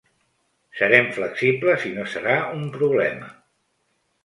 Serem flexibles i no serà un problema.